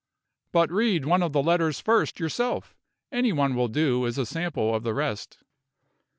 But read one of the letters first yourself; any one will do as a sample of the rest."